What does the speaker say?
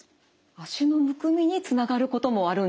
足のむくみにつながることもあるんですね。